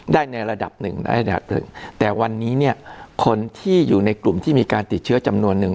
ได้ในระดับหนึ่งแต่วันนี้คนที่อยู่ในกลุ่มที่มีการติดเชื้อจำนวนหนึ่ง